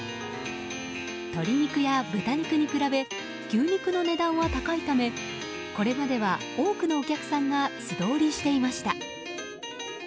鶏肉や豚肉に比べ牛肉の値段は高いためこれまでは多くのお客さんが素通りしていました。